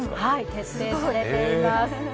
徹底されています。